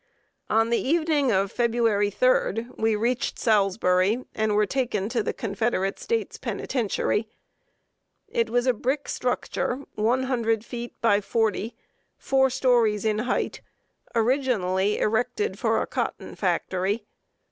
On the evening of February 3d we reached Salisbury, and were taken to the Confederate States Penitentiary. It was a brick structure, one hundred feet by forty, four stories in hight, originally erected for a cotton factory.